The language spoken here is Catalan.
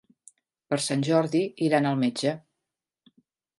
Per Sant Jordi iran al metge.